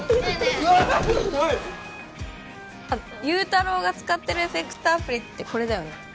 祐太郎が使ってるエフェクトアプリってこれだよね？